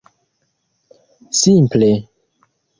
simple